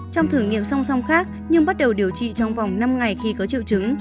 trong thử nghiệm song song khác nhưng bắt đầu điều trị trong vòng năm ngày khi có triệu chứng